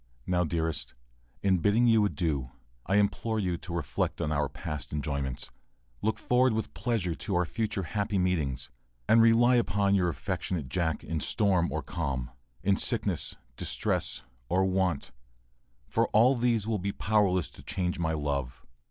] Now, dearest, in bidding you adieu, I implore you to reflect on our past enjoyments, look forward with pleasure to our future happy meetings, and rely upon your affectionate Jack in storm or calm, in sickness, distress, or want, for all these will be powerless to change my love.